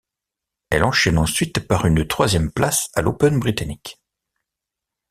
Elle enchaîne ensuite par une troisième place à l'Open britannique.